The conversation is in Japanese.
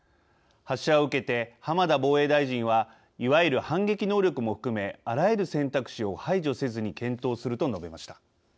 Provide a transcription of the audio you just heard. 発射を受けて、浜田防衛大臣は「いわゆる反撃能力も含めあらゆる選択肢を排除せずに検討する」と述べました。